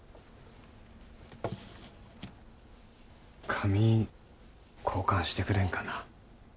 紙交換してくれんかな。